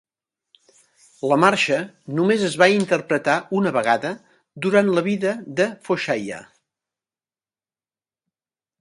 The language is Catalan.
La marxa només es va interpretar una vegada durant la vida de Foshayha.